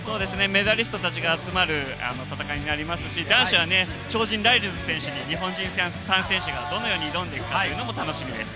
メダリストたちが集まる戦いになりますし男子は超人ライルズ選手が日本人選手がどのように挑んでいくかというのも楽しみです。